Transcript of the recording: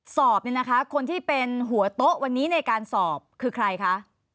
สอบเนี่ยนะคะคนที่เป็นหัวโต๊ะวันนี้ในการสอบคือใครคะ